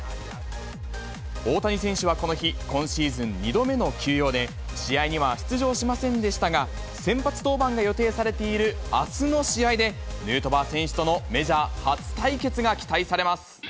大谷選手はこの日、今シーズン２度目の休養で試合には出場しませんでしたが、先発登板が予定されているあすの試合で、ヌートバー選手とのメジャー初対決が期待されます。